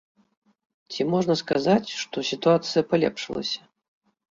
Ці можна сказаць, што сітуацыя палепшылася?